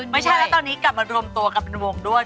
ไม่ใช่แล้วตอนนี้กลับมารวมตัวกลับมารวมบ้างด้วย